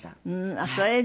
あっそれで。